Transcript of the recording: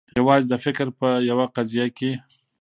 یوازي د فکر په یوه قضیه کي